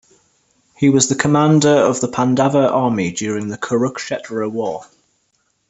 He was the commander of the Pandava army during the Kurukshetra War.